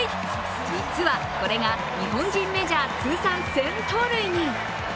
実はこれが日本人メジャー通算１０００盗塁に。